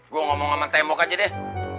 gue ngomong sama tembok aja deh